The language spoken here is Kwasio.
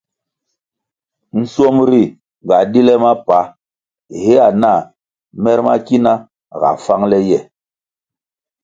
Nschuomri ga di le mapa héa nah mer ma kina ga fáng le ye.